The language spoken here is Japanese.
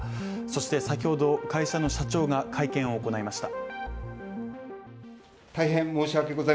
そして先ほど、会社の社長が会見を行いました。